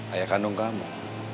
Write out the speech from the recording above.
ayah kandung kamu